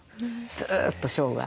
ずっと生涯。